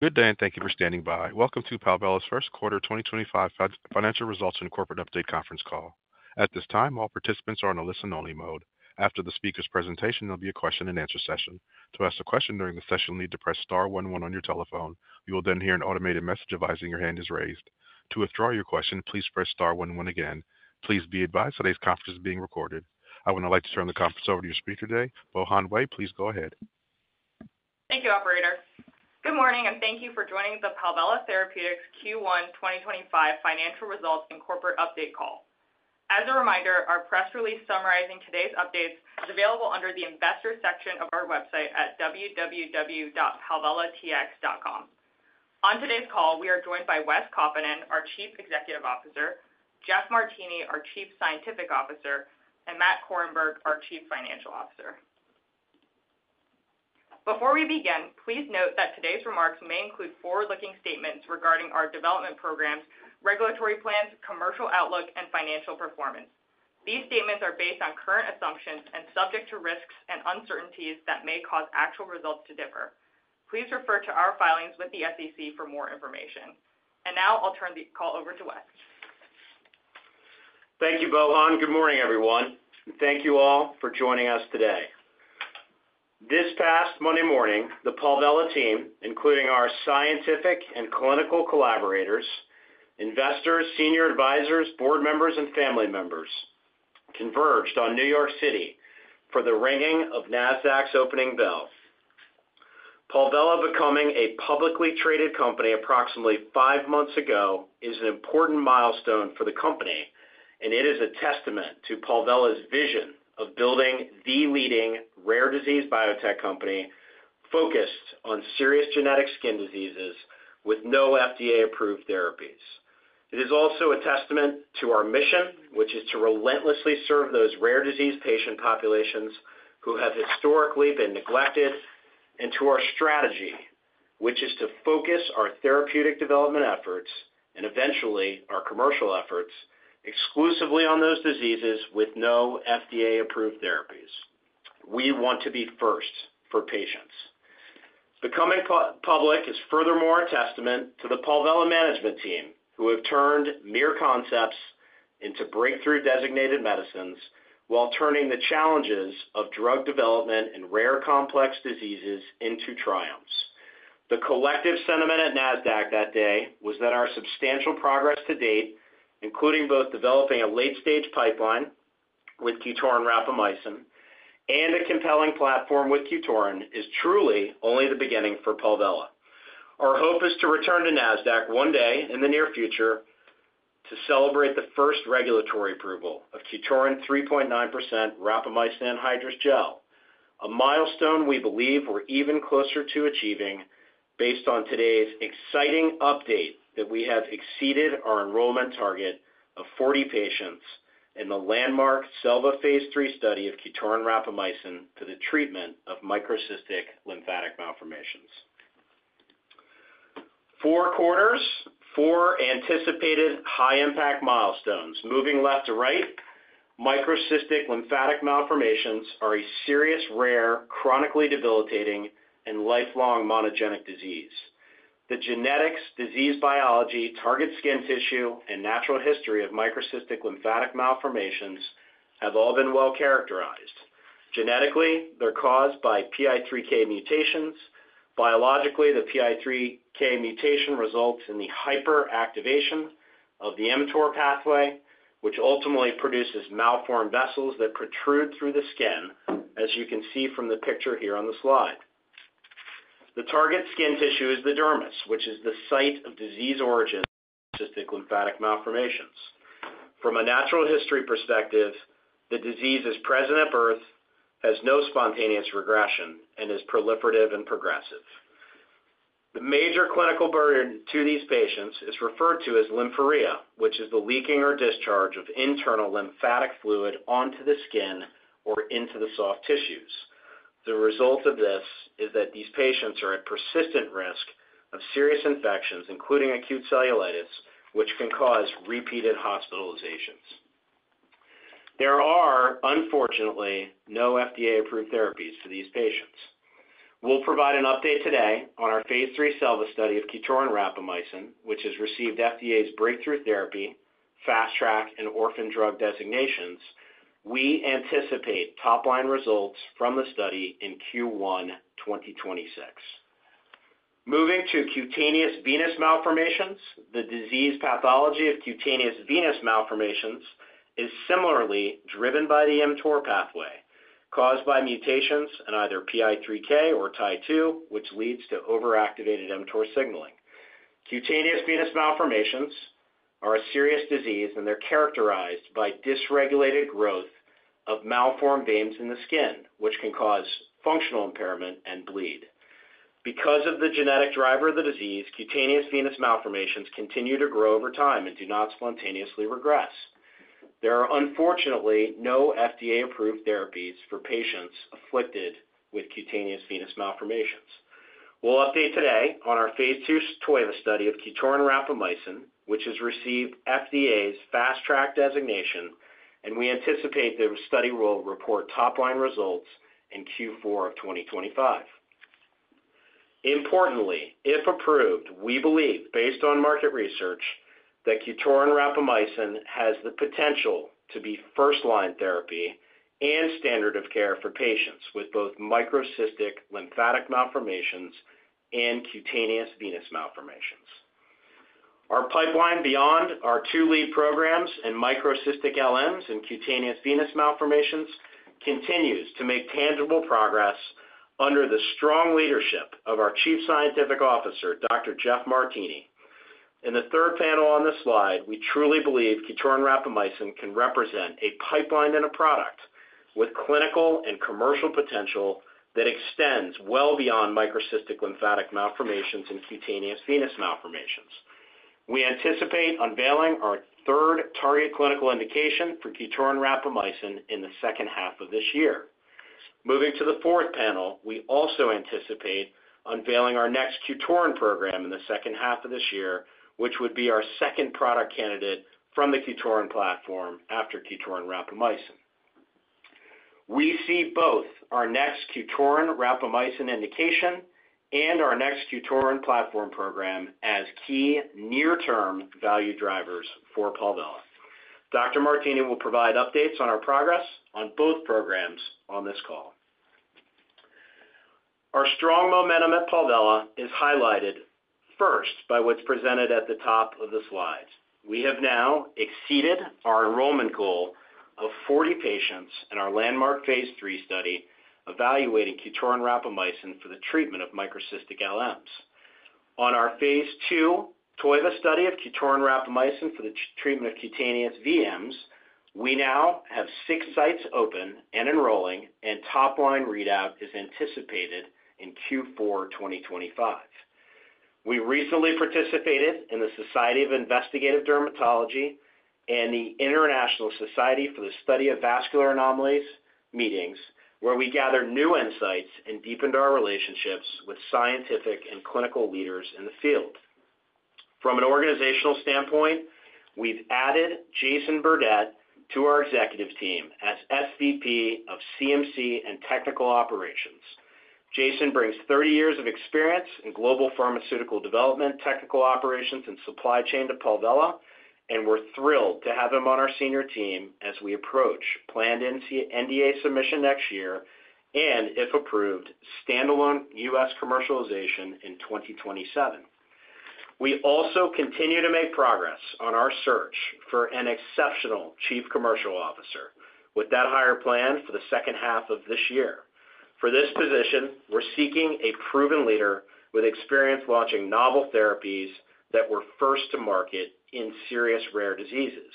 Good day, and thank you for standing by. Welcome to Palvella's first quarter 2025 financial results and corporate update conference call. At this time, all participants are on a listen-only mode. After the speaker's presentation, there'll be a question-and-answer session. To ask a question during the session, you'll need to press star one one on your telephone. You will then hear an automated message advising your hand is raised. To withdraw your question, please press star one one again. Please be advised today's conference is being recorded. I would now like to turn the conference over to your speaker today, Bohan Wei. Please go ahead. Thank you, Operator. Good morning, and thank you for joining the Palvella Therapeutics Q1 2025 financial results and corporate update call. As a reminder, our press release summarizing today's updates is available under the investor section of our website at www.palvellatx.com. On today's call, we are joined by Wes Kaupinen, our Chief Executive Officer, Jeff Martini, our Chief Scientific Officer, and Matt Korenberg, our Chief Financial Officer. Before we begin, please note that today's remarks may include forward-looking statements regarding our development programs, regulatory plans, commercial outlook, and financial performance. These statements are based on current assumptions and subject to risks and uncertainties that may cause actual results to differ. Please refer to our filings with the SEC for more information. I will now turn the call over to Wes. Thank you, Bohan. Good morning, everyone. Thank you all for joining us today. This past Monday morning, the Palvella team, including our scientific and clinical collaborators, investors, senior advisors, board members, and family members, converged on New York City for the ringing of Nasdaq's opening bell. Palvella becoming a publicly traded company approximately five months ago is an important milestone for the company, and it is a testament to Palvella's vision of building the leading rare disease biotech company focused on serious genetic skin diseases with no FDA-approved therapies. It is also a testament to our mission, which is to relentlessly serve those rare disease patient populations who have historically been neglected, and to our strategy, which is to focus our therapeutic development efforts and eventually our commercial efforts exclusively on those diseases with no FDA-approved therapies. We want to be first for patients. Becoming public is furthermore a testament to the Palvella management team, who have turned mere concepts into breakthrough designated medicines while turning the challenges of drug development and rare complex diseases into triumphs. The collective sentiment at Nasdaq that day was that our substantial progress to date, including both developing a late-stage pipeline with QTORIN rapamycin and a compelling platform with QTORIN, is truly only the beginning for Palvella. Our hope is to return to Nasdaq one day in the near future to celebrate the first regulatory approval of QTORIN 3.9% rapamycin anhydrous gel, a milestone we believe we're even closer to achieving based on today's exciting update that we have exceeded our enrollment target of 40 patients in the landmark SELVA Phase 3 study of QTORIN rapamycin for the treatment of microcystic lymphatic malformations. Four quarters, four anticipated high-impact milestones. Moving left to right, microcystic lymphatic malformations are a serious rare chronically debilitating and lifelong monogenic disease. The genetics, disease biology, target skin tissue, and natural history of microcystic lymphatic malformations have all been well characterized. Genetically, they're caused by PI3K mutations. Biologically, the PI3K mutation results in the hyperactivation of the mTOR pathway, which ultimately produces malformed vessels that protrude through the skin, as you can see from the picture here on the slide. The target skin tissue is the dermis, which is the site of disease origin of microcystic lymphatic malformations. From a natural history perspective, the disease is present at birth, has no spontaneous regression, and is proliferative and progressive. The major clinical burden to these patients is referred to as lymphorrhea, which is the leaking or discharge of internal lymphatic fluid onto the skin or into the soft tissues. The result of this is that these patients are at persistent risk of serious infections, including acute cellulitis, which can cause repeated hospitalizations. There are, unfortunately, no FDA-approved therapies for these patients. We'll provide an update today on our Phase 3 SELVA study of QTORIN rapamycin, which has received FDA's Breakthrough Therapy, Fast Track, and Orphan Drug Designations. We anticipate top-line results from the study in Q1 2026. Moving to cutaneous venous malformations, the disease pathology of cutaneous venous malformations is similarly driven by the mTOR pathway, caused by mutations in either PI3K or TIE2, which leads to overactivated mTOR signaling. Cutaneous venous malformations are a serious disease, and they're characterized by dysregulated growth of malformed veins in the skin, which can cause functional impairment and bleed. Because of the genetic driver of the disease, cutaneous venous malformations continue to grow over time and do not spontaneously regress. There are, unfortunately, no FDA-approved therapies for patients afflicted with cutaneous venous malformations. We'll update today on our Phase 2 TOIVA study of QTORIN rapamycin, which has received FDA's Fast Track designation, and we anticipate the study will report top-line results in Q4 of 2025. Importantly, if approved, we believe, based on market research, that QTORIN rapamycin has the potential to be first-line therapy and standard of care for patients with both microcystic lymphatic malformations and cutaneous venous malformations. Our pipeline beyond our two lead programs in microcystic lymphatic malformations and cutaneous venous malformations continues to make tangible progress under the strong leadership of our Chief Scientific Officer, Dr. Jeff Martini. In the third panel on this slide, we truly believe QTORIN rapamycin can represent a pipeline and a product with clinical and commercial potential that extends well beyond microcystic lymphatic malformations and cutaneous venous malformations. We anticipate unveiling our third target clinical indication for QTORIN rapamycin in the second half of this year. Moving to the fourth panel, we also anticipate unveiling our next QTORIN program in the second half of this year, which would be our second product candidate from the QTORIN platform after QTORIN rapamycin. We see both our next QTORIN rapamycin indication and our next QTORIN platform program as key near-term value drivers for Palvella. Dr. Martini will provide updates on our progress on both programs on this call. Our strong momentum at Palvella is highlighted first by what's presented at the top of the slides. We have now exceeded our enrollment goal of 40 patients in our landmark Phase 3 study evaluating QTORIN rapamycin for the treatment of microcystic LMsP On our Phase 2 TOIVA study of QTORIN rapamycin for the treatment of cutaneous VMs, we now have six sites open and enrolling, and top-line readout is anticipated in Q4 2025. We recently participated in the Society of Investigative Dermatology and the International Society for the Study of Vascular Anomalies meetings, where we gathered new insights and deepened our relationships with scientific and clinical leaders in the field. From an organizational standpoint, we've added Jason Burdette to our executive team as Senior Vice President of CMC & Technical Operations. Jason brings 30 years of experience in global pharmaceutical development, technical operations, and supply chain to Palvella, and we're thrilled to have him on our senior team as we approach planned NDA submission next year and, if approved, standalone U.S. commercialization in 2027. We also continue to make progress on our search for an exceptional Chief Commercial Officer with that hire planned for the second half of this year. For this position, we're seeking a proven leader with experience launching novel therapies that were first to market in serious rare diseases.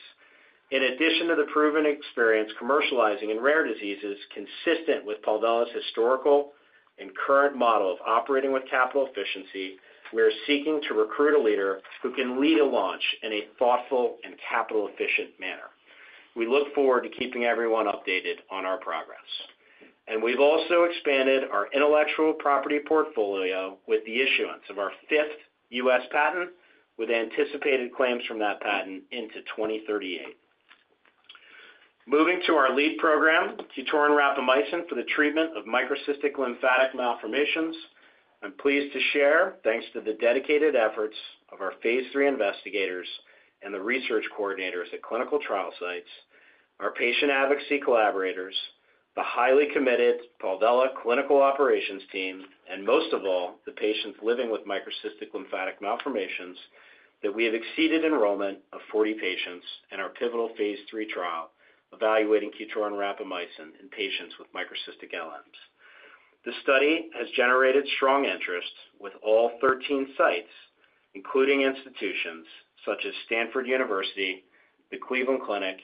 In addition to the proven experience commercializing in rare diseases consistent with Palvella's historical and current model of operating with capital efficiency, we are seeking to recruit a leader who can lead a launch in a thoughtful and capital-efficient manner. We look forward to keeping everyone updated on our progress. We have also expanded our intellectual property portfolio with the issuance of our fifth U.S. patent, with anticipated claims from that patent into 2038. Moving to our lead program, QTORIN rapamycin for the treatment of microcystic lymphatic malformations. I'm pleased to share, thanks to the dedicated efforts of our Phase 3 investigators and the research coordinators at clinical trial sites, our patient advocacy collaborators, the highly committed Palvella clinical operations team, and most of all, the patients living with microcystic lymphatic malformations, that we have exceeded enrollment of 40 patients in our pivotal Phase 3 trial evaluating QTORIN rapamycin in patients with microcystic LMs. The study has generated strong interest with all 13 sites, including institutions such as Stanford University, the Cleveland Clinic,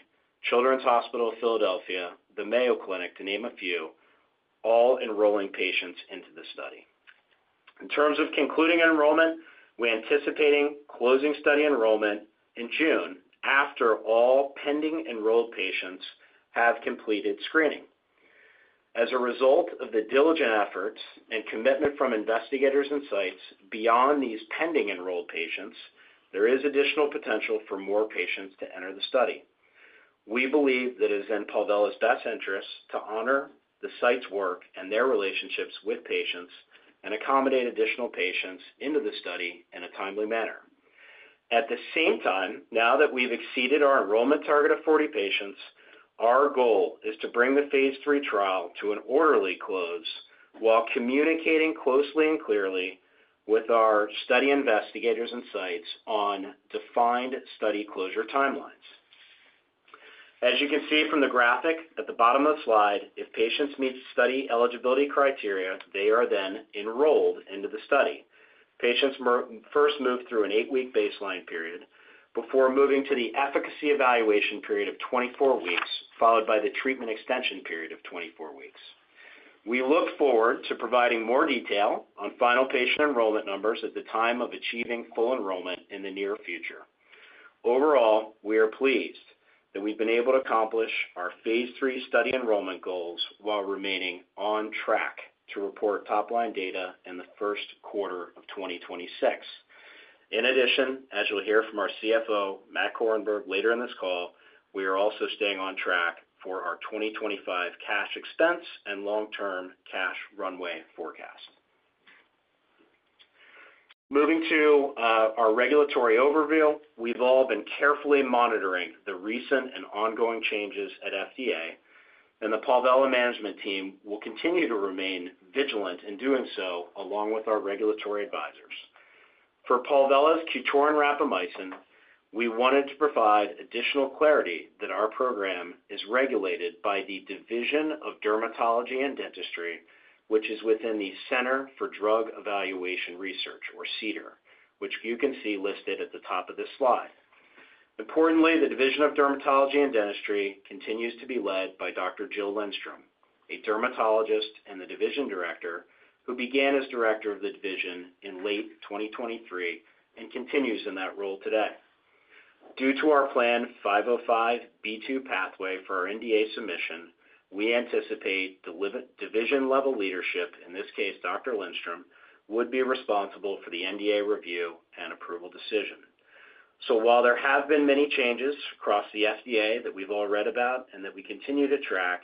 Children's Hospital of Philadelphia, the Mayo Clinic, to name a few, all enrolling patients into the study. In terms of concluding enrollment, we're anticipating closing study enrollment in June after all pending enrolled patients have completed screening. As a result of the diligent efforts and commitment from investigators and sites, beyond these pending enrolled patients, there is additional potential for more patients to enter the study. We believe that it is in Palvella's best interest to honor the site's work and their relationships with patients and accommodate additional patients into the study in a timely manner. At the same time, now that we've exceeded our enrollment target of 40 patients, our goal is to bring the Phase 3 trial to an orderly close while communicating closely and clearly with our study investigators and sites on defined study closure timelines. As you can see from the graphic at the bottom of the slide, if patients meet study eligibility criteria, they are then enrolled into the study. Patients first move through an eight-week baseline period before moving to the efficacy evaluation period of 24 weeks, followed by the treatment extension period of 24 weeks. We look forward to providing more detail on final patient enrollment numbers at the time of achieving full enrollment in the near future. Overall, we are pleased that we've been able to accomplish our Phase 3 study enrollment goals while remaining on track to report top-line data in the first quarter of 2026. In addition, as you'll hear from our CFO, Matt Korenberg, later in this call, we are also staying on track for our 2025 cash expense and long-term cash runway forecast. Moving to our regulatory overview, we've all been carefully monitoring the recent and ongoing changes at FDA, and the Palvella management team will continue to remain vigilant in doing so along with our regulatory advisors. For Palvella's QTORIN rapamycin, we wanted to provide additional clarity that our program is regulated by the Division of Dermatology and Dentistry, which is within the Center for Drug Evaluation and Research, or CDER, which you can see listed at the top of this slide. Importantly, the Division of Dermatology and Dentistry continues to be led by Dr. Jill Lindstrom, a dermatologist and the Division Director who began as Director of the Division in late 2023 and continues in that role today. Due to our planned 505(b)(2) pathway for our NDA submission, we anticipate the division-level leadership, in this case, Dr. Lindstrom, would be responsible for the NDA review and approval decision. While there have been many changes across the FDA that we've all read about and that we continue to track,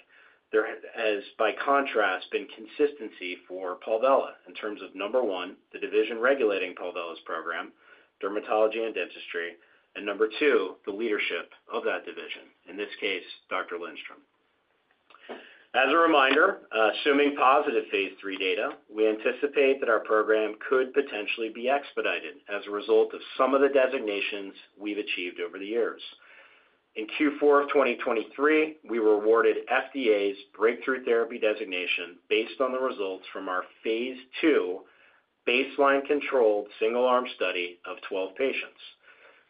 there has, by contrast, been consistency for Palvella in terms of, number one, the division regulating Palvella's program, dermatology and dentistry, and number two, the leadership of that division, in this case, Dr. Lindstrom. As a reminder, assuming positive Phase 3 data, we anticipate that our program could potentially be expedited as a result of some of the designations we've achieved over the years. In Q4 of 2023, we were awarded FDA's Breakthrough Therapy designation based on the results from our phase II baseline controlled single-arm study of 12 patients.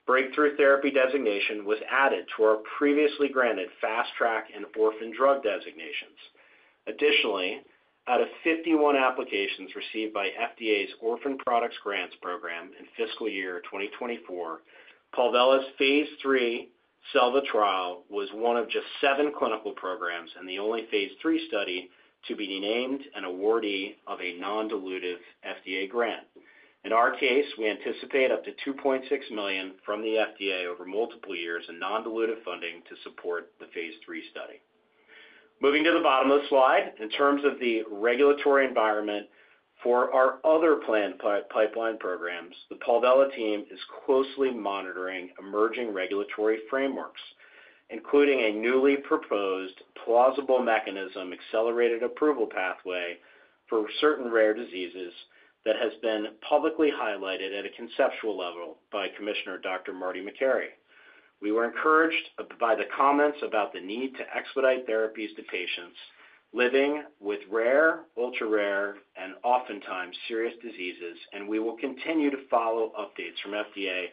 Breakthrough Therapy designation was added to our previously granted Fast Track and Orphan Drug Designations. Additionally, out of 51 applications received by FDA's Orphan Products Grants program in fiscal year 2024, Palvella's Phase 3 SELVA trial was one of just seven clinical programs and the only phase III study to be named an awardee of a non-dilutive FDA grant. In our case, we anticipate up to $2.6 million from the FDA over multiple years in non-dilutive funding to support the phase III study. Moving to the bottom of the slide, in terms of the regulatory environment for our other planned pipeline programs, the Palvella team is closely monitoring emerging regulatory frameworks, including a newly proposed plausible mechanism accelerated approval pathway for certain rare diseases that has been publicly highlighted at a conceptual level by Commissioner Dr. Marty Makary. We were encouraged by the comments about the need to expedite therapies to patients living with rare, ultra rare, and oftentimes serious diseases, and we will continue to follow updates from FDA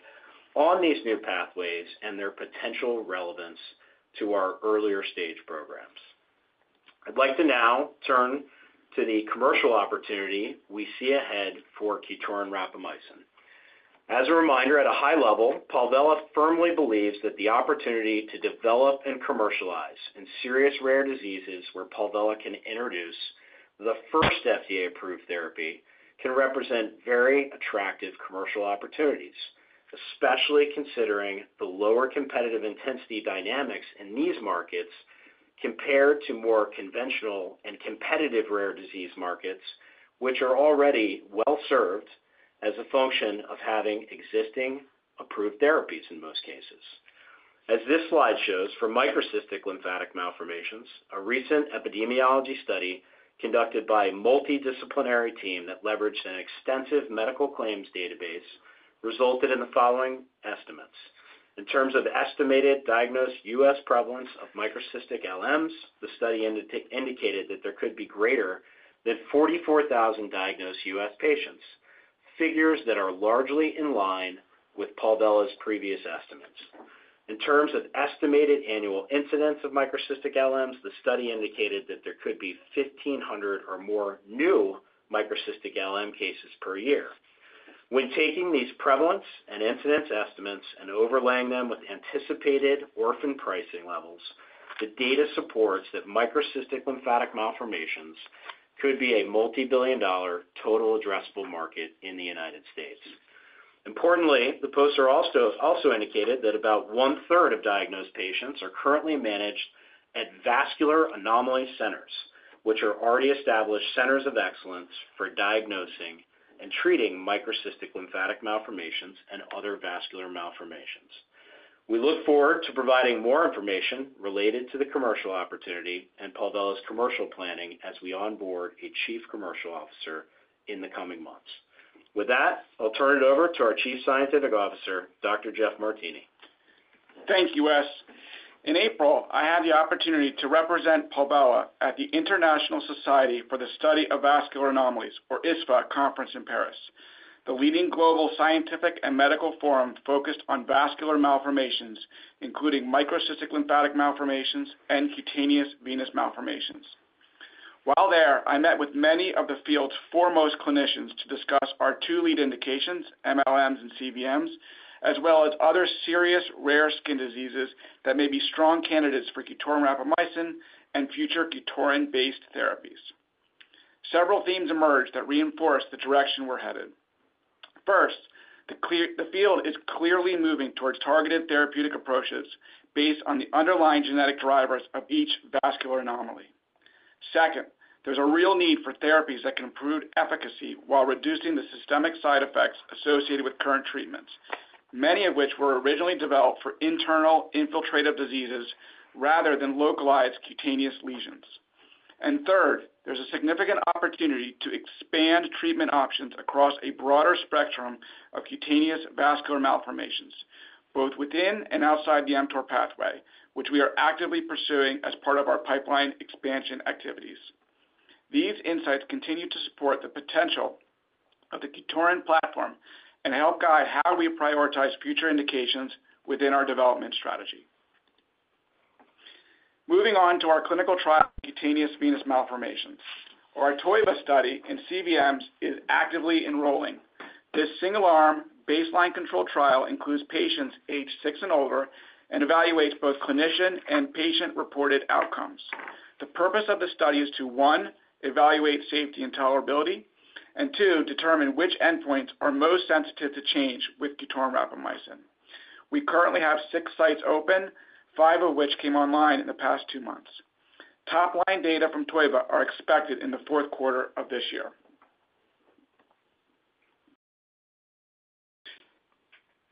on these new pathways and their potential relevance to our earlier stage programs. I'd like to now turn to the commercial opportunity we see ahead for QTORIN rapamycin. As a reminder, at a high level, Palvella firmly believes that the opportunity to develop and commercialize in serious rare diseases where Palvella can introduce the first FDA-approved therapy can represent very attractive commercial opportunities, especially considering the lower competitive intensity dynamics in these markets compared to more conventional and competitive rare disease markets, which are already well served as a function of having existing approved therapies in most cases. As this slide shows, for microcystic lymphatic malformations, a recent epidemiology study conducted by a multidisciplinary team that leveraged an extensive medical claims database resulted in the following estimates. In terms of estimated diagnosed U.S. prevalence of microcystic LMs, the study indicated that there could be greater than 44,000 diagnosed U.S. patients, figures that are largely in line with Palvella's previous estimates. In terms of estimated annual incidence of microcystic LMs, the study indicated that there could be 1,500 or more new microcystic LM cases per year. When taking these prevalence and incidence estimates and overlaying them with anticipated orphan pricing levels, the data supports that microcystic lymphatic malformations could be a multi-billion dollar total addressable market in the United States. Importantly, the posts also indicated that about 1/3 of diagnosed patients are currently managed at vascular anomaly centers, which are already established centers of excellence for diagnosing and treating microcystic lymphatic malformations and other vascular malformations. We look forward to providing more information related to the commercial opportunity and Palvella's commercial planning as we onboard a Chief Commercial Officer in the coming months. With that, I'll turn it over to our Chief Scientific Officer, Dr. Jeff Martini. Thank you, Wes. In April, I had the opportunity to represent Palvella at the International Society for the Study of Vascular Anomalies, or ISSVA, conference in Paris, the leading global scientific and medical forum focused on vascular malformations, including microcystic lymphatic malformations and cutaneous venous malformations. While there, I met with many of the field's foremost clinicians to discuss our two lead indications, mLMs and cVMs, as well as other serious rare skin diseases that may be strong candidates for QTORIN rapamycin and future QTORIN-based therapies. Several themes emerged that reinforced the direction we're headed. First, the field is clearly moving towards targeted therapeutic approaches based on the underlying genetic drivers of each vascular anomaly. Second, there's a real need for therapies that can improve efficacy while reducing the systemic side effects associated with current treatments, many of which were originally developed for internal infiltrative diseases rather than localized cutaneous lesions. Third, there's a significant opportunity to expand treatment options across a broader spectrum of cutaneous vascular malformations, both within and outside the mTOR pathway, which we are actively pursuing as part of our pipeline expansion activities. These insights continue to support the potential of the QTORIN platform and help guide how we prioritize future indications within our development strategy. Moving on to our clinical trial of cutaneous venous malformations, our TOIVA study in CVMs is actively enrolling. This single-arm baseline control trial includes patients aged six and older and evaluates both clinician and patient-reported outcomes. The purpose of the study is to, one, evaluate safety and tolerability, and two, determine which endpoints are most sensitive to change with QTORIN rapamycin. We currently have six sites open, five of which came online in the past two months. Top-line data from TOIVA are expected in the fourth quarter of this year.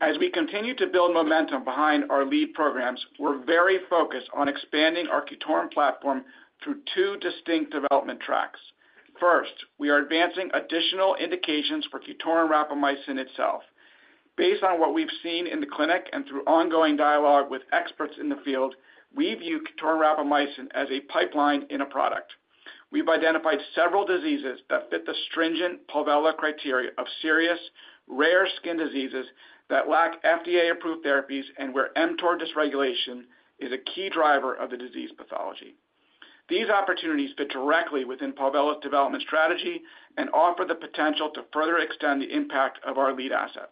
As we continue to build momentum behind our lead programs, we're very focused on expanding our QTORIN platform through two distinct development tracks. First, we are advancing additional indications for QTORIN rapamycin itself. Based on what we've seen in the clinic and through ongoing dialogue with experts in the field, we view QTORIN rapamycin as a pipeline in a product. We've identified several diseases that fit the stringent Palvella criteria of serious rare skin diseases that lack FDA-approved therapies and where mTOR dysregulation is a key driver of the disease pathology. These opportunities fit directly within Palvella's development strategy and offer the potential to further extend the impact of our lead asset.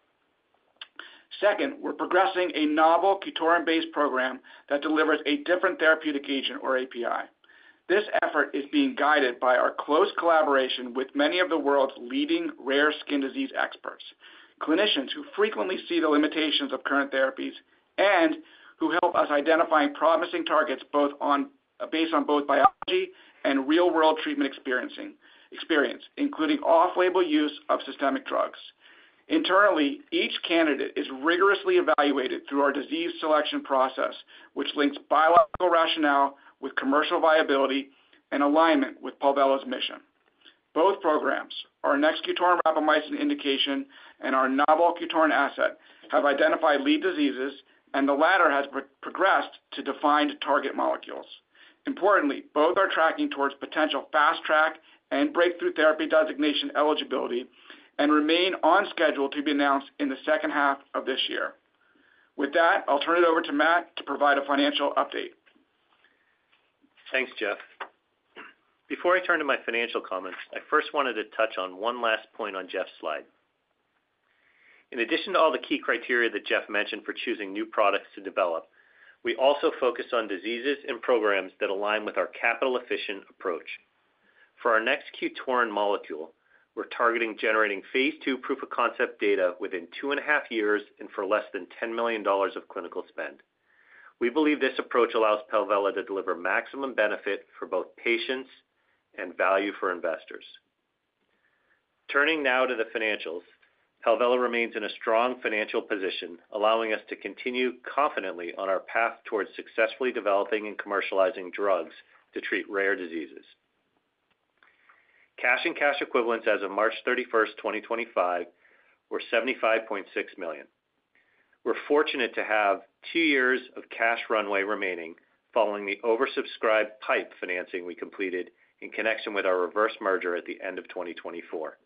Second, we're progressing a novel QTORIN-based program that delivers a different therapeutic agent, or API. This effort is being guided by our close collaboration with many of the world's leading rare skin disease experts, clinicians who frequently see the limitations of current therapies and who help us identify promising targets based on both biology and real-world treatment experience, including off-label use of systemic drugs. Internally, each candidate is rigorously evaluated through our disease selection process, which links biological rationale with commercial viability and alignment with Palvella's mission. Both programs, our next QTORIN rapamycin indication and our novel QTORIN asset, have identified lead diseases, and the latter has progressed to defined target molecules. Importantly, both are tracking towards potential Fast Track and Breakthrough Therapy designation eligibility and remain on schedule to be announced in the second half of this year. With that, I'll turn it over to Matt to provide a financial update. Thanks, Jeff. Before I turn to my financial comments, I first wanted to touch on one last point on Jeff's slide. In addition to all the key criteria that Jeff mentioned for choosing new products to develop, we also focus on diseases and programs that align with our capital-efficient approach. For our next QTORIN molecule, we're targeting generating Phase 2 proof of concept data within two and a half years and for less than $10 million of clinical spend. We believe this approach allows Palvella to deliver maximum benefit for both patients and value for investors. Turning now to the financials, Palvella remains in a strong financial position, allowing us to continue confidently on our path towards successfully developing and commercializing drugs to treat rare diseases. Cash and cash equivalents as of March 31st, 2025, were $75.6 million. We're fortunate to have two years of cash runway remaining following the oversubscribed pipe financing we completed in connection with our reverse merger at the end of 2024.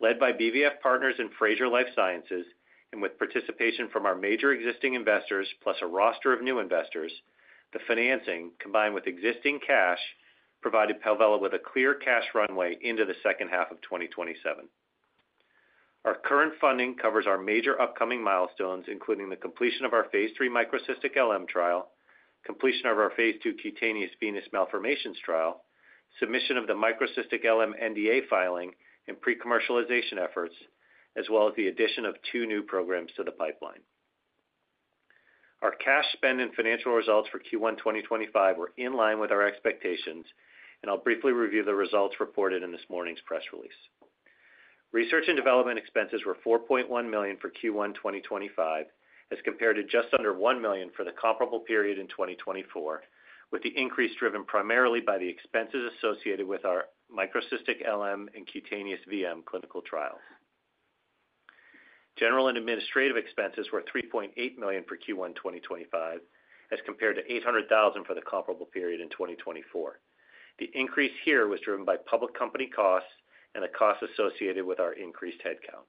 Led by BVF Partners and Frazier Life Sciences, and with participation from our major existing investors, plus a roster of new investors, the financing, combined with existing cash, provided Palvella with a clear cash runway into the second half of 2027. Our current funding covers our major upcoming milestones, including the completion of our Phase 3 microcystic LM trial, completion of our Phase 2 cutaneous venous malformations trial, submission of the microcystic LM NDA filing, and pre-commercialization efforts, as well as the addition of two new programs to the pipeline. Our cash spend and financial results for Q1 2025 were in line with our expectations, and I'll briefly review the results reported in this morning's press release. Research and development expenses were $4.1 million for Q1 2025, as compared to just under $1 million for the comparable period in 2024, with the increase driven primarily by the expenses associated with our microcystic LM and cutaneous VM clinical trial. General and administrative expenses were $3.8 million for Q1 2025, as compared to $800,000 for the comparable period in 2024. The increase here was driven by public company costs and the costs associated with our increased headcount.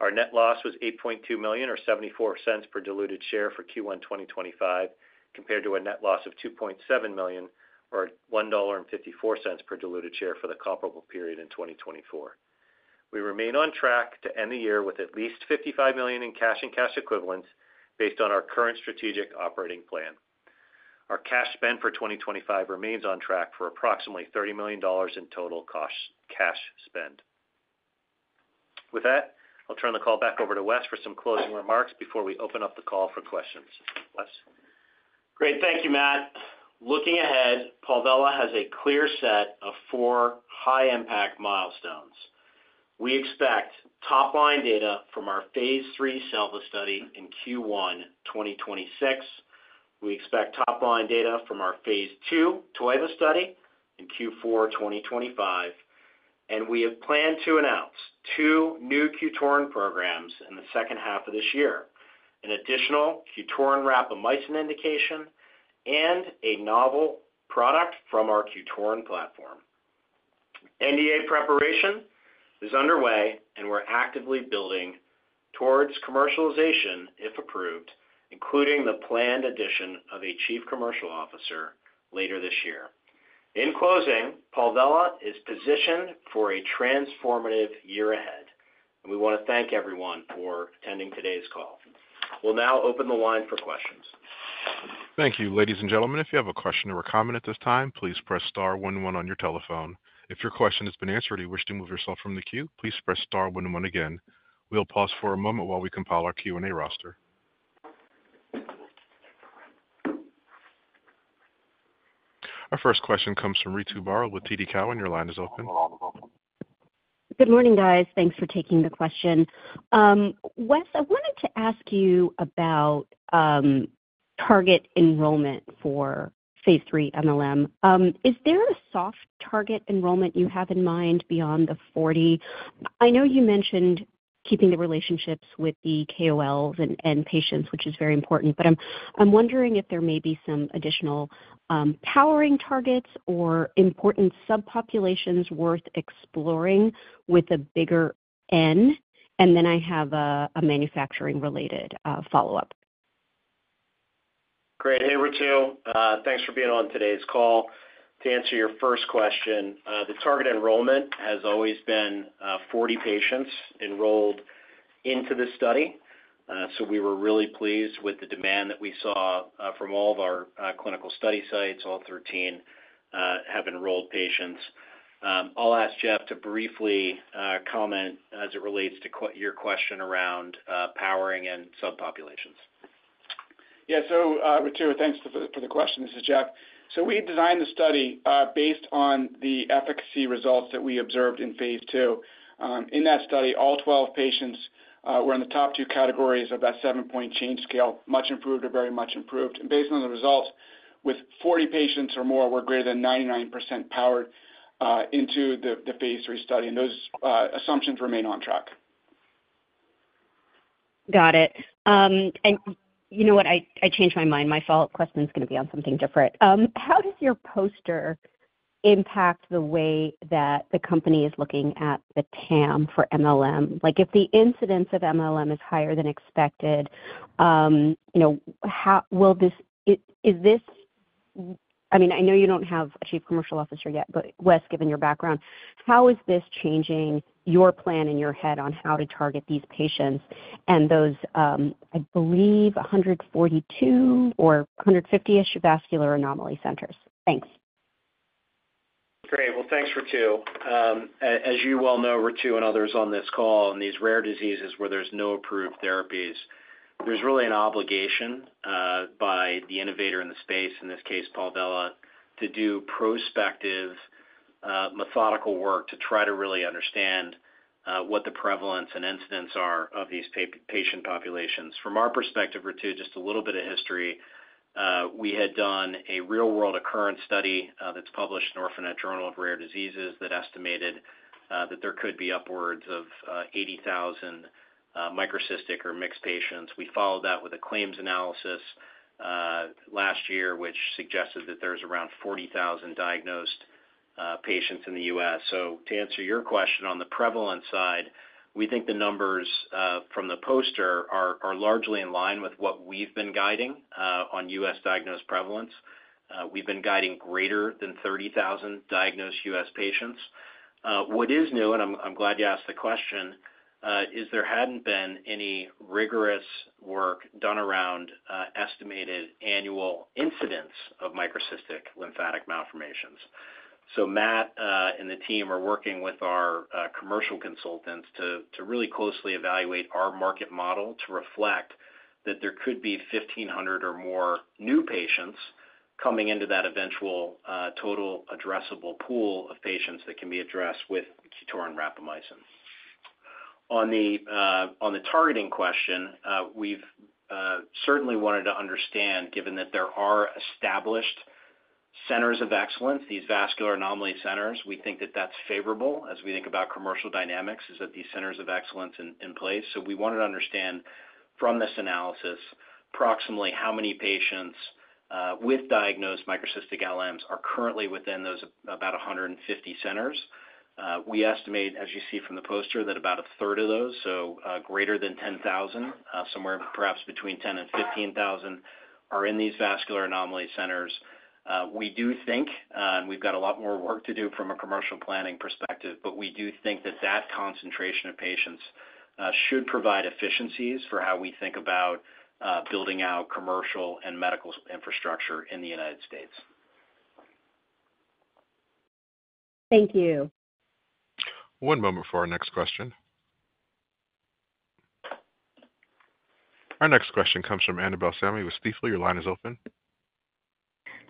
Our net loss was $8.2 million, or $0.74 per diluted share for Q1 2025, compared to a net loss of $2.7 million, or $1.54 per diluted share for the comparable period in 2024. We remain on track to end the year with at least $55 million in cash and cash equivalents based on our current strategic operating plan. Our cash spend for 2025 remains on track for approximately $30 million in total cash spend. With that, I'll turn the call back over to Wes for some closing remarks before we open up the call for questions. Wes? Great. Thank you, Matt. Looking ahead, Palvella has a clear set of four high-impact milestones. We expect top-line data from our Phase 3 SELVA study in Q1 2026. We expect top-line data from our Phase 2 TOIVA study in Q4 2025. We have planned to announce two new QTORIN programs in the second half of this year, an additional QTORIN rapamycin indication, and a novel product from our QTORIN platform. NDA preparation is underway, and we're actively building towards commercialization, if approved, including the planned addition of a Chief Commercial Officer later this year. In closing, Palvella is positioned for a transformative year ahead, and we want to thank everyone for attending today's call. We'll now open the line for questions. Thank you. Ladies and gentlemen, if you have a question or a comment at this time, please press star one one on your telephone. If your question has been answered or you wish to move yourself from the queue, please press star one one again. We'll pause for a moment while we compile our Q&A roster. Our first question comes from Ritu Baral with TD Cowen. Your line is open. Good morning, guys. Thanks for taking the question. Wes, I wanted to ask you about target enrollment for Phase 3 mLM. Is there a soft target enrollment you have in mind beyond the 40? I know you mentioned keeping the relationships with the KOLs and patients, which is very important, but I'm wondering if there may be some additional powering targets or important subpopulations worth exploring with a bigger N. I have a manufacturing-related follow-up. Great. Hey, Ritu. Thanks for being on today's call. To answer your first question, the target enrollment has always been 40 patients enrolled into the study. We were really pleased with the demand that we saw from all of our clinical study sites. All 13 have enrolled patients. I'll ask Jeff to briefly comment as it relates to your question around powering and subpopulations. Yeah. Ritu, thanks for the question. This is Jeff. We designed the study based on the efficacy results that we observed in Phase 2. In that study, all 12 patients were in the top two categories of that 7-point change scale, much improved or very much improved. Based on the results, with 40 patients or more, we're greater than 99% powered into the Phase 3 study. Those assumptions remain on track. Got it. You know what? I changed my mind. My follow-up question is going to be on something different. How does your poster impact the way that the company is looking at the TAM for mLM? If the incidence of mLM is higher than expected, will this—I mean, I know you don't have a Chief Commercial Officer yet, but Wes, given your background, how is this changing your plan in your head on how to target these patients and those, I believe, 142 or 150-ish vascular anomaly centers? Thanks. Great. Thanks, Ritu. As you well know, Ritu and others on this call, in these rare diseases where there's no approved therapies, there's really an obligation by the innovator in the space, in this case, Palvella, to do prospective methodical work to try to really understand what the prevalence and incidence are of these patient populations. From our perspective, Ritu, just a little bit of history. We had done a real-world occurrence study that's published in the Orphanet Journal of Rare Diseases that estimated that there could be upwards of 80,000 microcystic or mixed patients. We followed that with a claims analysis last year, which suggested that there's around 40,000 diagnosed patients in the U.S. To answer your question on the prevalence side, we think the numbers from the poster are largely in line with what we've been guiding on U.S. diagnosed prevalence. We've been guiding greater than 30,000 diagnosed U.S. patients. What is new, and I'm glad you asked the question, is there hadn't been any rigorous work done around estimated annual incidence of microcystic lymphatic malformations. Matt and the team are working with our commercial consultants to really closely evaluate our market model to reflect that there could be 1,500 or more new patients coming into that eventual total addressable pool of patients that can be addressed with QTORIN rapamycin. On the targeting question, we've certainly wanted to understand, given that there are established centers of excellence, these vascular anomaly centers, we think that that's favorable as we think about commercial dynamics, is that these centers of excellence are in place. We wanted to understand, from this analysis, approximately how many patients with diagnosed microcystic LMs are currently within those about 150 centers. We estimate, as you see from the poster, that about 1/3 of those, so greater than 10,000, somewhere perhaps between 10,000 and 15,000, are in these vascular anomaly centers. We do think, and we've got a lot more work to do from a commercial planning perspective, but we do think that that concentration of patients should provide efficiencies for how we think about building out commercial and medical infrastructure in the United States. Thank you. One moment for our next question. Our next question comes from Annabel Samimy with Stifel. Your line is open.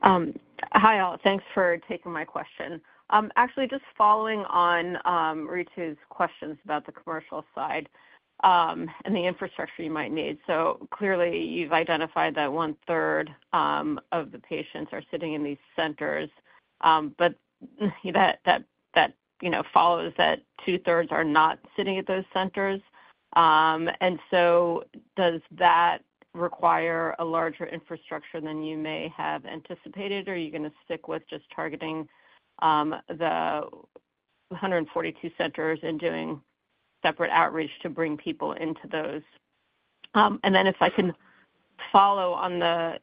Hi, all. Thanks for taking my question. Actually, just following on Ritu's questions about the commercial side and the infrastructure you might need. Clearly, you've identified that 1/3 of the patients are sitting in these centers, but that follows that 2/3 are not sitting at those centers. Does that require a larger infrastructure than you may have anticipated, or are you going to stick with just targeting the 142 centers and doing separate outreach to bring people into those? If I can follow on the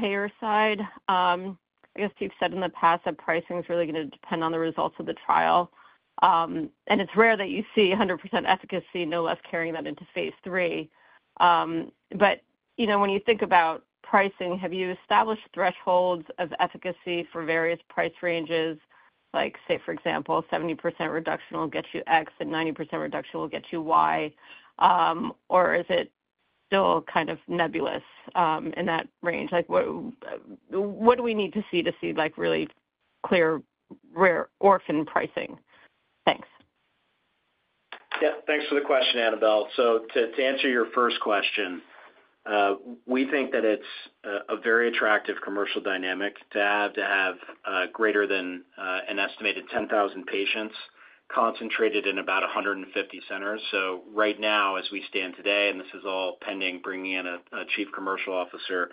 payer side, I guess you've said in the past that pricing is really going to depend on the results of the trial. It's rare that you see 100% efficacy, no less, carrying that into Phase 3. When you think about pricing, have you established thresholds of efficacy for various price ranges, like, for example, 70% reduction will get you X, and 90% reduction will get you Y? Or is it still kind of nebulous in that range? What do we need to see to see really clear orphan pricing? Thanks. Yeah. Thanks for the question, Annabel. To answer your first question, we think that it is a very attractive commercial dynamic to have greater than an estimated 10,000 patients concentrated in about 150 centers. Right now, as we stand today, and this is all pending bringing in a Chief Commercial Officer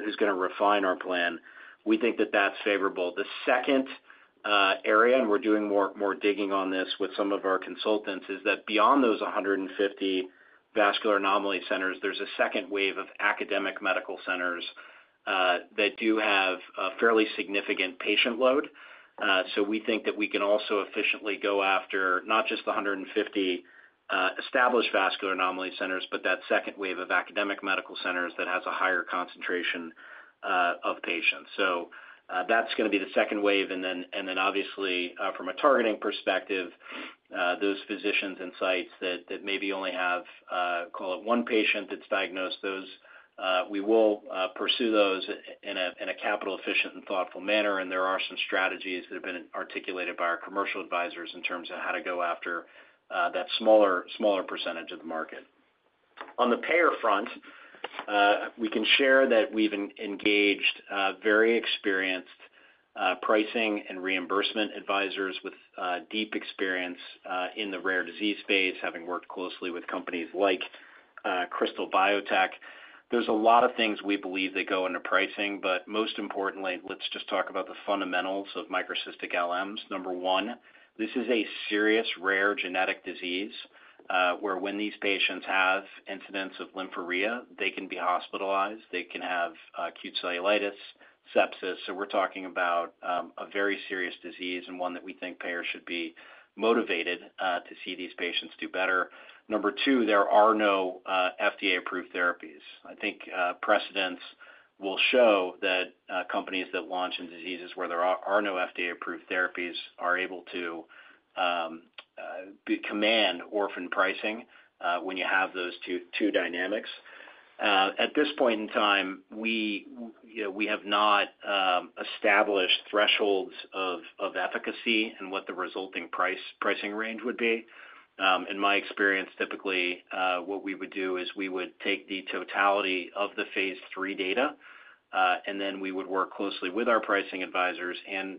who is going to refine our plan, we think that is favorable. The second area, and we are doing more digging on this with some of our consultants, is that beyond those 150 vascular anomaly centers, there is a second wave of academic medical centers that do have a fairly significant patient load. We think that we can also efficiently go after not just the 150 established vascular anomaly centers, but that second wave of academic medical centers that has a higher concentration of patients. That is going to be the second wave. Obviously, from a targeting perspective, those physicians and sites that maybe only have, call it, one patient that's diagnosed, we will pursue those in a capital-efficient and thoughtful manner. There are some strategies that have been articulated by our commercial advisors in terms of how to go after that smaller percentage of the market. On the payer front, we can share that we've engaged very experienced pricing and reimbursement advisors with deep experience in the rare disease space, having worked closely with companies like Krystal Biotech. There's a lot of things we believe that go into pricing, but most importantly, let's just talk about the fundamentals of microcystic LMs. Number one, this is a serious rare genetic disease where when these patients have incidence of lymphorrhea, they can be hospitalized. They can have acute cellulitis, sepsis. We're talking about a very serious disease and one that we think payers should be motivated to see these patients do better. Number two, there are no FDA-approved therapies. I think precedents will show that companies that launch in diseases where there are no FDA-approved therapies are able to command orphan pricing when you have those two dynamics. At this point in time, we have not established thresholds of efficacy and what the resulting pricing range would be. In my experience, typically, what we would do is we would take the totality of the phase III data, and then we would work closely with our pricing advisors and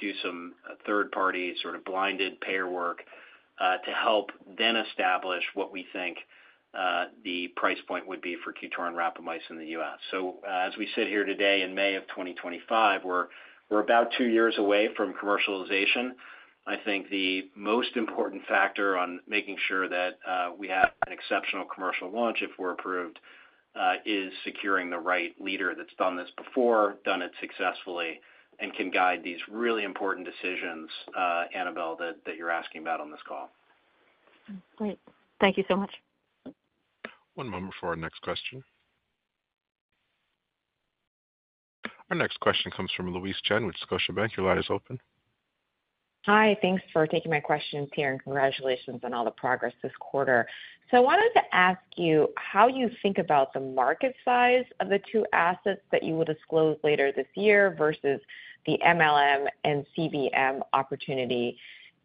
do some third-party sort of blinded payer work to help then establish what we think the price point would be for QTORIN rapamycin in the U.S. As we sit here today in May of 2025, we're about two years away from commercialization. I think the most important factor in making sure that we have an exceptional commercial launch if we're approved is securing the right leader that's done this before, done it successfully, and can guide these really important decisions, Annabel, that you're asking about on this call. Great. Thank you so much. One moment for our next question. Our next question comes from Louise Chen with Scotiabank. Your line is open. Hi. Thanks for taking my questions here, and congratulations on all the progress this quarter. I wanted to ask you how you think about the market size of the two assets that you will disclose later this year versus the mLM and cVM opportunity.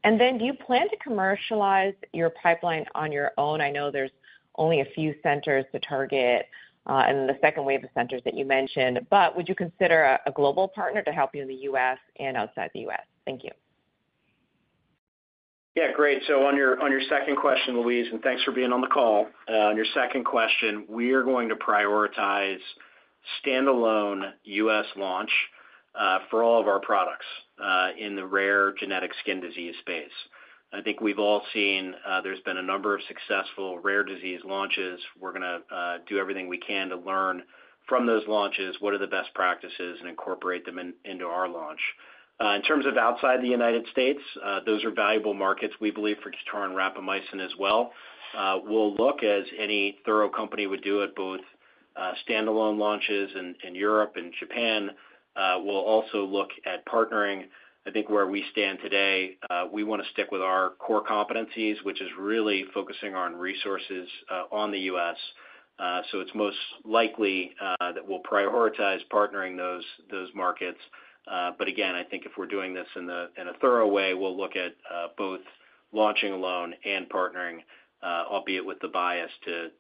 Do you plan to commercialize your pipeline on your own? I know there's only a few centers to target and the second wave of centers that you mentioned, but would you consider a global partner to help you in the U.S. and outside the U.S.? Thank you. Yeah. Great. So on your second question, Louise, and thanks for being on the call. On your second question, we are going to prioritize standalone U.S. launch for all of our products in the rare genetic skin disease space. I think we've all seen there's been a number of successful rare disease launches. We're going to do everything we can to learn from those launches, what are the best practices, and incorporate them into our launch. In terms of outside the United States, those are valuable markets, we believe, for QTORIN rapamycin as well. We'll look, as any thorough company would do, at both standalone launches in Europe and Japan. We'll also look at partnering. I think where we stand today, we want to stick with our core competencies, which is really focusing our resources on the U.S. It is most likely that we'll prioritize partnering those markets. Again, I think if we're doing this in a thorough way, we'll look at both launching alone and partnering, albeit with the bias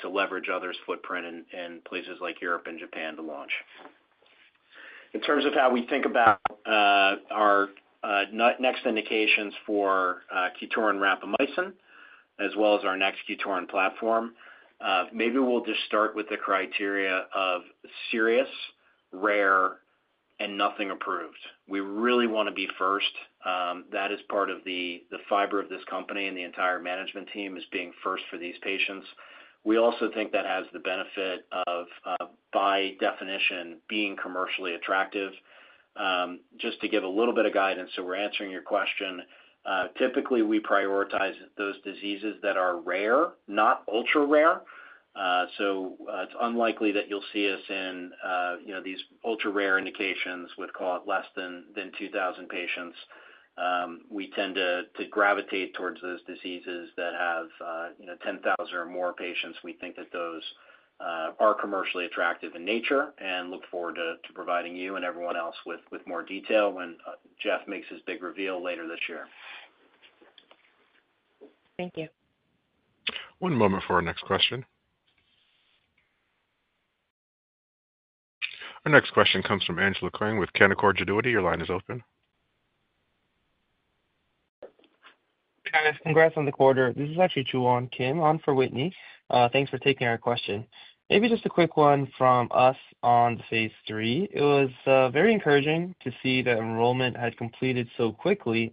to leverage others' footprint in places like Europe and Japan to launch. In terms of how we think about our next indications for QTORIN rapamycin, as well as our next QTORIN platform, maybe we'll just start with the criteria of serious, rare, and nothing approved. We really want to be first. That is part of the fiber of this company, and the entire management team is being first for these patients. We also think that has the benefit of, by definition, being commercially attractive. Just to give a little bit of guidance, so we're answering your question. Typically, we prioritize those diseases that are rare, not ultra rare. So it's unlikely that you'll see us in these ultra rare indications with, call it, less than 2,000 patients. We tend to gravitate towards those diseases that have 10,000 or more patients. We think that those are commercially attractive in nature and look forward to providing you and everyone else with more detail when Jeff makes his big reveal later this year. Thank you. One moment for our next question. Our next question comes from Angela Qian with Canaccord Genuity. Your line is open. Hi, guys. Congrats on the quarter. This is actually Joohwan Kim, on for Genuity. Thanks for taking our question. Maybe just a quick one from us on the Phase 3. It was very encouraging to see that enrollment had completed so quickly.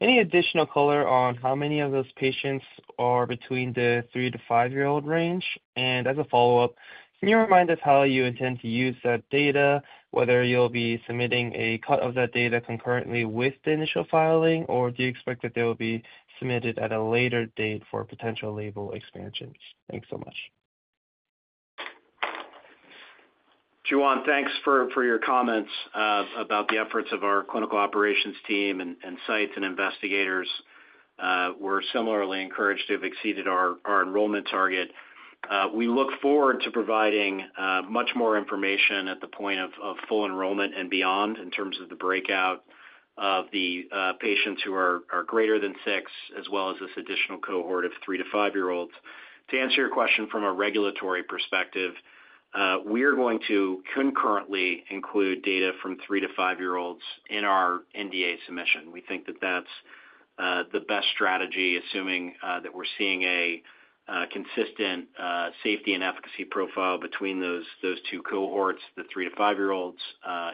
Any additional color on how many of those patients are between the three to five-year-old range? As a follow-up, can you remind us how you intend to use that data, whether you'll be submitting a cut of that data concurrently with the initial filing, or do you expect that they will be submitted at a later date for potential label expansions? Thanks so much. Joohwan, thanks for your comments about the efforts of our clinical operations team and sites and investigators. We're similarly encouraged to have exceeded our enrollment target. We look forward to providing much more information at the point of full enrollment and beyond in terms of the breakout of the patients who are greater than six, as well as this additional cohort of three to five-year-olds. To answer your question from a regulatory perspective, we are going to concurrently include data from three to five-year-olds in our NDA submission. We think that that's the best strategy, assuming that we're seeing a consistent safety and efficacy profile between those two cohorts, the three to five-year-olds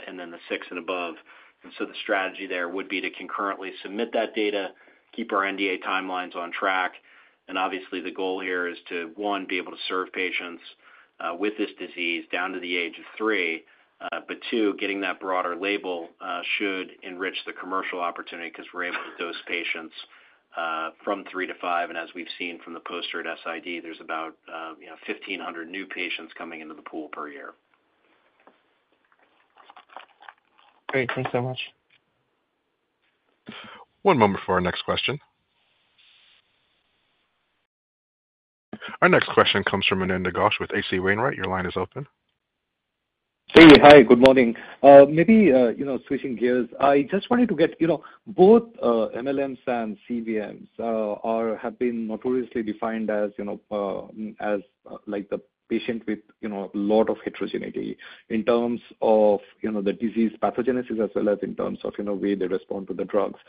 and then the six and above. The strategy there would be to concurrently submit that data, keep our NDA timelines on track. Obviously, the goal here is to, one, be able to serve patients with this disease down to the age of three, but two, getting that broader label should enrich the commercial opportunity because we're able to dose patients from three to five. As we've seen from the poster at SID, there's about 1,500 new patients coming into the pool per year. Great. Thanks so much. One moment for our next question. Our next question comes from Ananda Ghosh with H.C. Wainwright. Your line is open. Hey, hi. Good morning. Maybe switching gears, I just wanted to get both mLMs and cVMs have been notoriously defined as the patient with a lot of heterogeneity in terms of the disease pathogenesis as well as in terms of the way they respond to the drugs.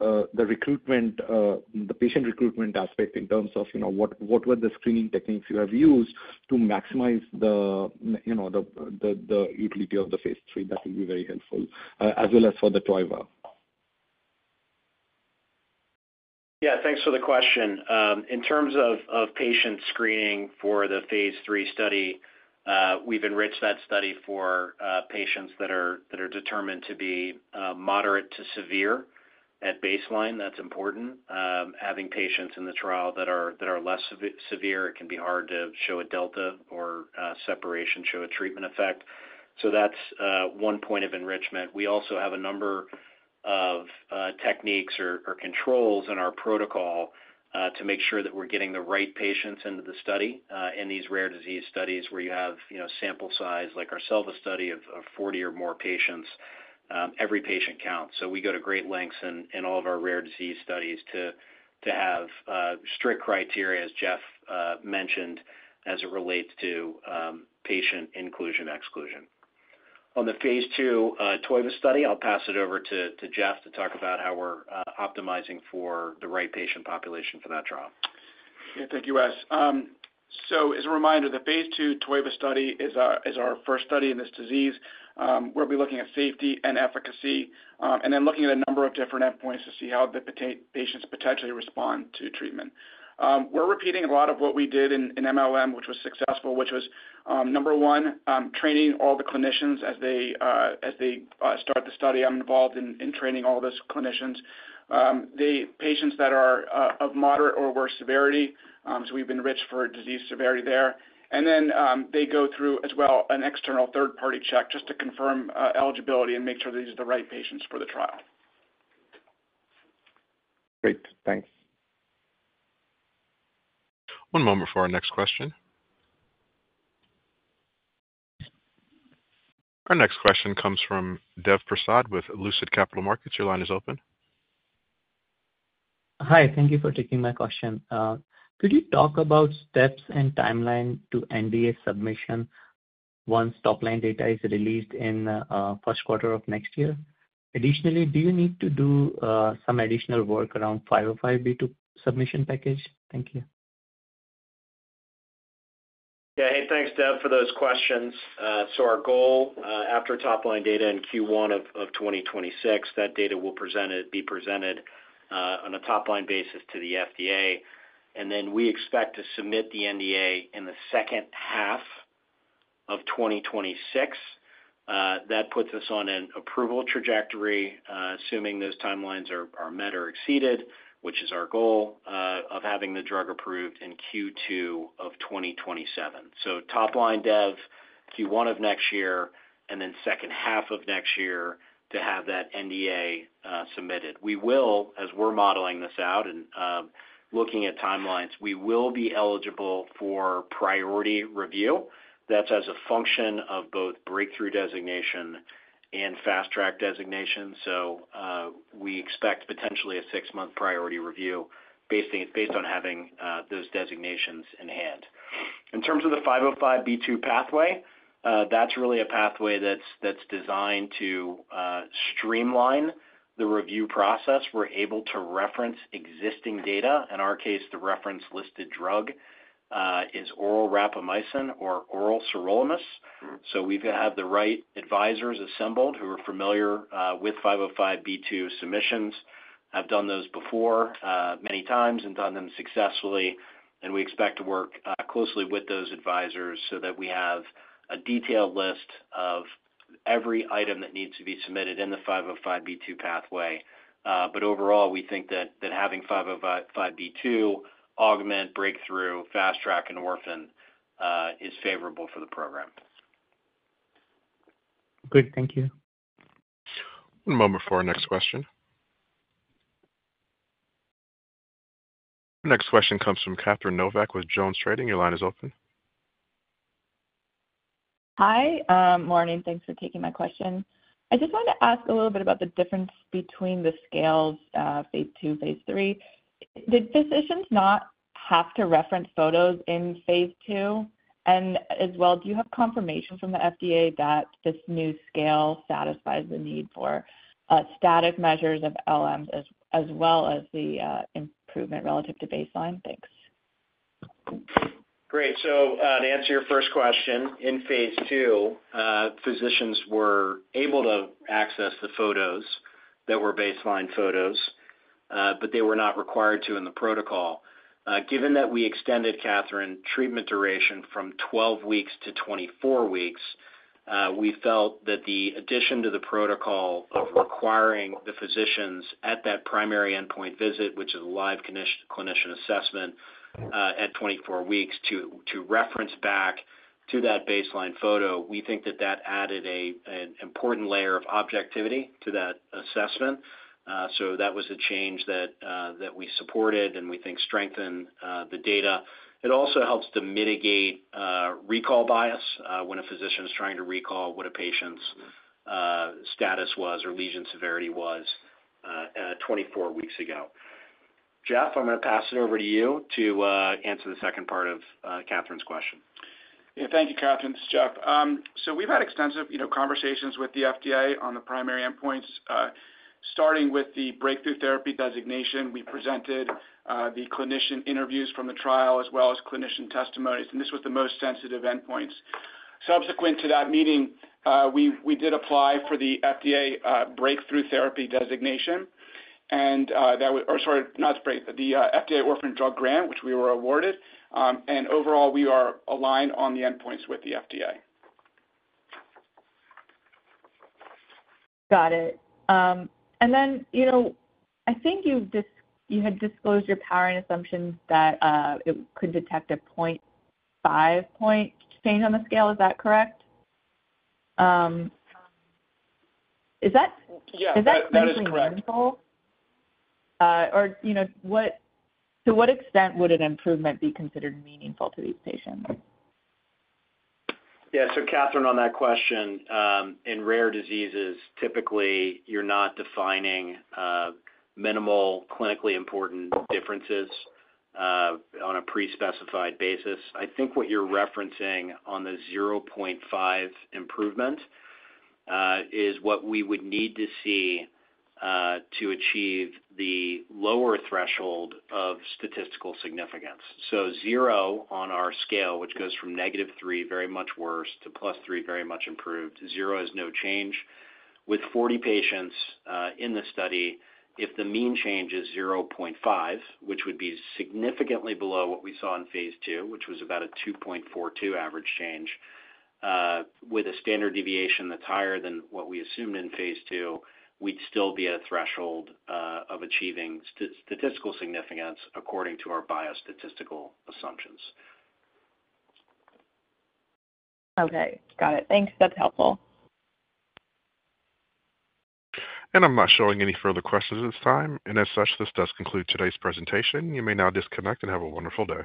If you can shed light on the patient recruitment aspect in terms of what were the screening techniques you have used to maximize the utility of the phase III, that would be very helpful, as well as for the TOIVA. Yeah. Thanks for the question. In terms of patient screening for the Phase 3 study, we've enriched that study for patients that are determined to be moderate to severe at baseline. That's important. Having patients in the trial that are less severe, it can be hard to show a delta or separation, show a treatment effect. That is one point of enrichment. We also have a number of techniques or controls in our protocol to make sure that we are getting the right patients into the study. In these rare disease studies where you have sample size, like our SELVA study of 40 or more patients, every patient counts. We go to great lengths in all of our rare disease studies to have strict criteria, as Jeff mentioned, as it relates to patient inclusion/exclusion. On the Phase 2 TOIVA study, I will pass it over to Jeff to talk about how we are optimizing for the right patient population for that trial. Yeah. Thank you, Wes. As a reminder, the Phase 2 TOIVA study is our first study in this disease. We'll be looking at safety and efficacy and then looking at a number of different endpoints to see how the patients potentially respond to treatment. We're repeating a lot of what we did in mLM, which was successful, which was, number one, training all the clinicians as they start the study. I'm involved in training all those clinicians. The patients that are of moderate or worse severity, so we've enriched for disease severity there. They go through as well an external third-party check just to confirm eligibility and make sure these are the right patients for the trial. Great. Thanks. One moment for our next question. Our next question comes from Dev Prasad with Lucid Capital Markets. Your line is open. Hi. Thank you for taking my question. Could you talk about steps and timeline to NDA submission once top-line data is released in the first quarter of next year? Additionally, do you need to do some additional work around 505(b)(2) submission package? Thank you. Yeah. Hey, thanks, Dev, for those questions. So our goal, after top-line data in Q1 of 2026, that data will be presented on a top-line basis to the FDA. And then we expect to submit the NDA in the second half of 2026. That puts us on an approval trajectory, assuming those timelines are met or exceeded, which is our goal of having the drug approved in Q2 of 2027. So top-line, Dev, Q1 of next year, and then second half of next year to have that NDA submitted. We will, as we're modeling this out and looking at timelines, we will be eligible for priority review. That's as a function of both breakthrough designation and fast-track designation. We expect potentially a six-month priority review based on having those designations in hand. In terms of the 505(b)(2) pathway, that's really a pathway that's designed to streamline the review process. We're able to reference existing data. In our case, the reference listed drug is oral rapamycin or oral sirolimus. We've had the right advisors assembled who are familiar with 505(b)(2) submissions, have done those before many times and done them successfully. We expect to work closely with those advisors so that we have a detailed list of every item that needs to be submitted in the 505(b)(2) pathway. Overall, we think that having 505(b)(2) augment, Breakthrough, Fast Track, and Orphan is favorable for the program. Great. Thank you. One moment for our next question. Our next question comes from Catherine Novack with JonesTrading. Your line is open. Hi. Morning. Thanks for taking my question. I just wanted to ask a little bit about the difference between the scales, Phase 2, Phase 3. Did physicians not have to reference photos in Phase 2? As well, do you have confirmation from the FDA that this new scale satisfies the need for static measures of LMs as well as the improvement relative to baseline? Thanks. Great. To answer your first question, in Phase 2, physicians were able to access the photos that were baseline photos, but they were not required to in the protocol. Given that we extended, Catherine, treatment duration from 12 weeks to 24 weeks, we felt that the addition to the protocol of requiring the physicians at that primary endpoint visit, which is a live clinician assessment at 24 weeks, to reference back to that baseline photo, we think that that added an important layer of objectivity to that assessment. That was a change that we supported and we think strengthened the data. It also helps to mitigate recall bias when a physician is trying to recall what a patient's status was or lesion severity was 24 weeks ago. Jeff, I'm going to pass it over to you to answer the second part of Catherine's question. Yeah. Thank you, Catherine. This is Jeff. We've had extensive conversations with the FDA on the primary endpoints, starting with the Breakthrough Therapy designation. We presented the clinician interviews from the trial as well as clinician testimonies. This was the most sensitive endpoints. Subsequent to that meeting, we did apply for the FDA Breakthrough Therapy designation. That was—sorry, not the Breakthrough—the FDA Orphan Drug grant, which we were awarded. Overall, we are aligned on the endpoints with the FDA. Got it. I think you had disclosed your power and assumptions that it could detect a 0.5-point change on the scale. Is that correct? Is that meaningful? Yeah. That is correct. To what extent would an improvement be considered meaningful to these patients? Yeah. Catherine, on that question, in rare diseases, typically, you're not defining minimal clinically important differences on a pre-specified basis. I think what you're referencing on the 0.5 improvement is what we would need to see to achieve the lower threshold of statistical significance. Zero on our scale, which goes from -3, very much worse, to +3, very much improved, zero is no change. With 40 patients in the study, if the mean change is 0.5, which would be significantly below what we saw in Phase 2, which was about a 2.42 average change, with a standard deviation that is higher than what we assumed in Phase 2, we would still be at a threshold of achieving statistical significance according to our biostatistical assumptions. Okay. Got it. Thanks. That is helpful. I am not showing any further questions at this time. As such, this does conclude today's presentation. You may now disconnect and have a wonderful day.